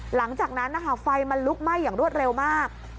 หลังจากนั้นนะคะไฟมันลุกไหม้อย่างรวดเร็วมาก